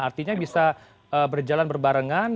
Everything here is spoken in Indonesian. artinya bisa berjalan berbarengan